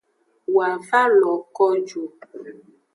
Woa va lo ko ju.